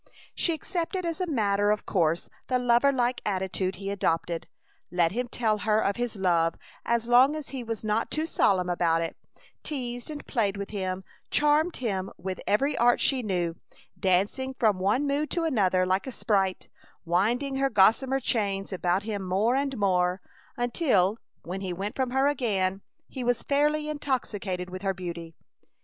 She accepted as a matter of course the lover like attitude he adopted, let him tell her of his love as long as he was not too solemn about it, teased and played with him, charmed him with every art she knew, dancing from one mood to another like a sprite, winding her gossamer chains about him more and more, until, when he went from her again, he was fairly intoxicated with her beauty.